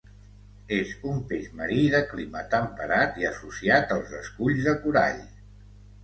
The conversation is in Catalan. És un peix marí de clima temperat i associat als esculls de corall.